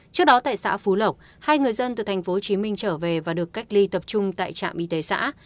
trước đó tại xã phú lộc hai người dân từ tp hcm trở về và được cách ly tập trung tại trạm y tế xã